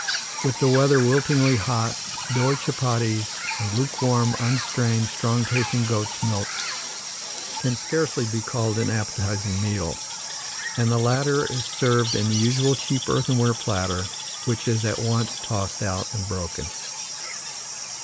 With the weather wilting hot, doughy chuppaties and lukewarm, unstrained, strong tasting goats' milk can scarcely be called an appetizing meal, and the latter is served in the usual cheap, earthenware platter, which is at once tossed out and broken.